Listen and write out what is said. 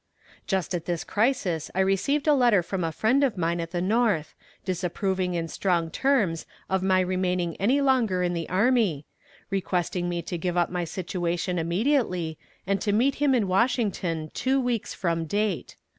Just at this crisis I received a letter from a friend of mine at the North, disapproving in strong terms of my remaining any longer in the army, requesting me to give up my situation immediately, and to meet him in Washington two weeks from date.